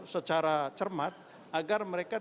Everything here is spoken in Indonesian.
secara cermat agar mereka